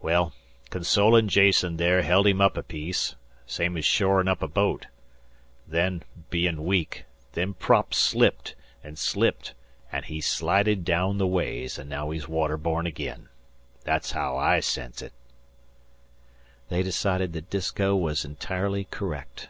Well, consolin' Jason there held him up a piece, same's shorin' up a boat. Then, bein' weak, them props slipped an' slipped, an' he slided down the ways, an' naow he's water borne agin. That's haow I sense it." They decided that Disko was entirely correct.